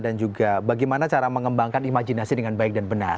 dan juga bagaimana cara mengembangkan imajinasi dengan baik dan benar